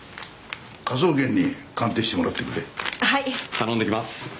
頼んできます。